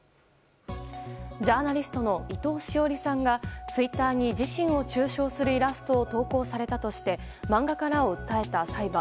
ジャーナリストの伊藤詩織さんがツイッターに自身を中傷するイラストを投稿されたとして漫画家らを訴えた裁判。